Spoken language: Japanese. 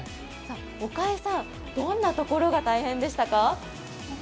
岡江さん、どんなところが大変でしたか？